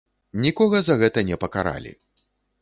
Нікога за гэта не пакаралі.